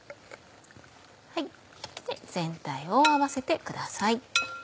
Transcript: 全体を合わせてください。